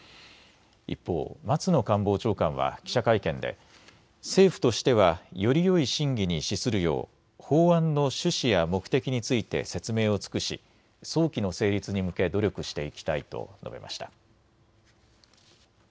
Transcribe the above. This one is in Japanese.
一方、松野官房長官は記者会見で政府としては、よりよい審議に資するよう法案の趣旨や目的について説明を尽くし早期の成立に向け努力していきたいと述べました。